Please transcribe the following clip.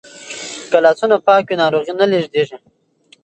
که لاسونه پاک وي نو ناروغي نه لیږدیږي.